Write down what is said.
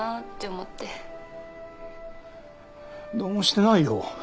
どうもしてないよ。